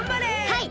はい！